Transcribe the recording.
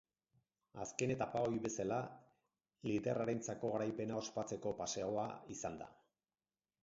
Azken etapa, ohi bezala, liderrarentzako garaipena ospatzeko paseoa izan da.